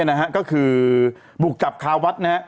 นี่นะครับก็คือบุกจับคาวัดนะครับ